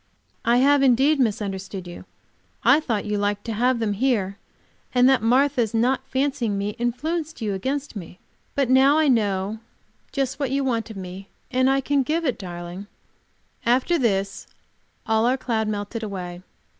"I have, indeed, misunderstood you. I thought you liked to have them here, and that Martha's not fancying me influenced you against me. But now I know just what you want of me, and I can give it, darling." After this all our cloud melted away.